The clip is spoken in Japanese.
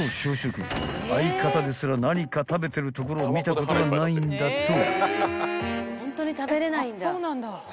［相方ですら何か食べてるところを見たことがないんだと］